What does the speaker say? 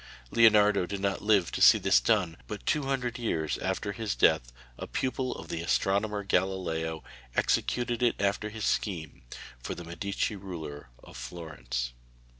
Leonardo did not live to see this done, but two hundred years after his death a pupil of the astronomer Galileo executed it after his scheme, for the Medici ruler of Florence.